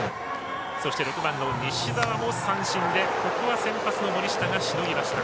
そして６番の西澤も三振でここは先発、森下がしのぎました。